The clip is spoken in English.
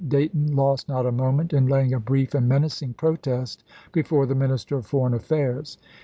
Dayton chaj>. vx. lost not a moment in laying a brief and menacing protest before the Minister of Foreign Affairs.